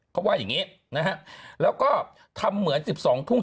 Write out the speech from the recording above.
เขาว่าอย่างนี้นะฮะแล้วก็ทำเหมือน๑๒ทุ่ม